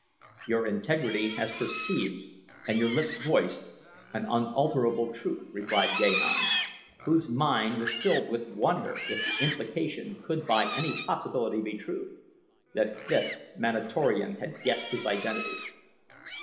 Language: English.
"Your integrity has perceived and your lips voiced an unalterable truth," replied Gahan, whose mind was filled with wonder if the implication could by any possibility be true that this Manatorian had guessed his identity.